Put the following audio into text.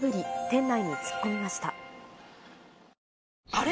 あれ？